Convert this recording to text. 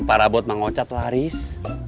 pak rabot mengocat laris